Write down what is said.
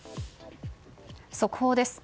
速報です。